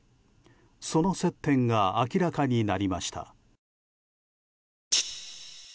その接点が明らかになりました。